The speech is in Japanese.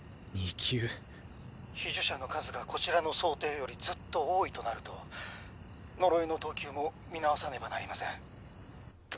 被呪者の数がこちらの想定よりずっと多いとなると呪いの等級も見直さねばなりません。